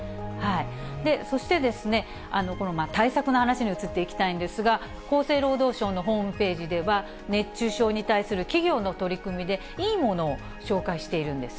そしてこの対策の話に移っていきたいんですが、厚生労働省のホームページでは熱中症に対する企業の取り組みで、いいものを紹介しているんです。